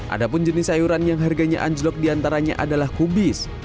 ada pun jenis sayuran yang harganya anjlok diantaranya adalah kubis